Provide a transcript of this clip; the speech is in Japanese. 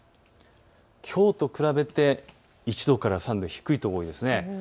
きょうと比べて１度から３度低いと思います。